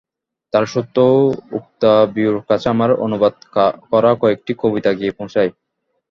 তাঁর সূত্রে ওক্তাবিয়োর কাছে আমার অনুবাদ করা কয়েকটি কবিতা গিয়ে পৌঁছায়।